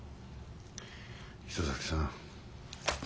磯崎さん。